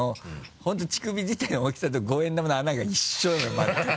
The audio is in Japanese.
本当乳首自体の大きさと５円玉の穴が一緒なのよ全く。